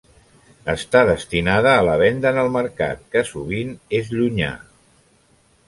Està destinada a la venda en el mercat que sovint és llunyà.